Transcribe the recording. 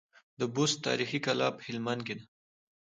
د بست تاريخي کلا په هلمند کي ده